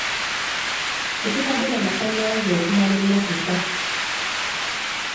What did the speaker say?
Tetubadde na masannyalaze okumala ennaku ssatu.